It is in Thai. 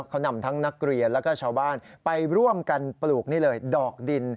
เขานำทั้งนักเรียนแล้วก็ชาวบ้านไปร่วมกันปลูกนี่เลยดอกดิน